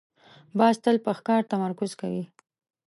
باز تل پر ښکار تمرکز کوي